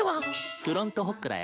フロントホックだよ。